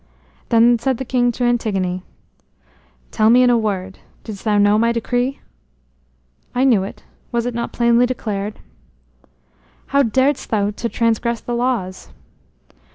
Then said the king to Antigone: "Tell me in a word, didst thou know my decree?" "I knew it. Was it not plainly declared?" "How daredst thou to transgress the laws?"